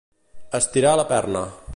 Estirar la perna.